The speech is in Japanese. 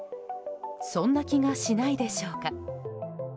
そんな気がしないでしょうか。